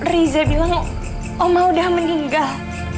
riza bilang oma udah meninggal